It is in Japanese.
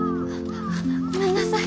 ごめんなさい。